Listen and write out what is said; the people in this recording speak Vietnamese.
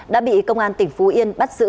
đã bị công an tỉnh phú yên bắt giữ